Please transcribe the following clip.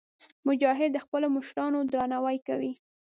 مجاهد د خپلو مشرانو درناوی کوي.